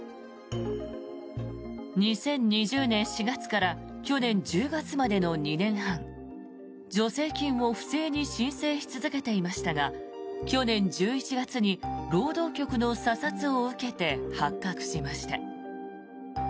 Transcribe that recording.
２０２０年４月から去年１０月までの２年半助成金を不正に申請し続けていましたが去年１１月に労働局の査察を受けて発覚しました。